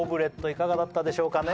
いかがだったでしょうかね？